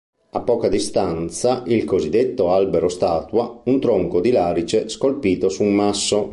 A poca distanza il cosiddetto "Albero-statua", un tronco di larice scolpito su un masso.